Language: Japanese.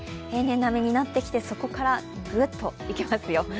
平年並みになってきてそこからぐっといきますよ。